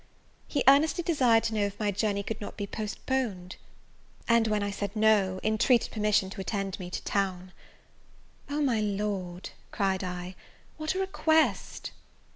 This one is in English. He earnestly desired to know if my journey could not be postponed! and when I no, entreated permission to attend me to town. "Oh, my Lord," cried I, "what a request!"